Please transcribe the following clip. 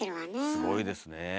すごいですね。